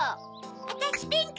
わたしピンク！